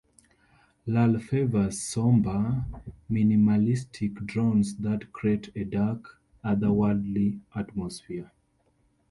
Lull favors sombre, minimalistic drones that create a dark, other-worldly atmosphere.